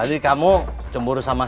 ibu guru siapa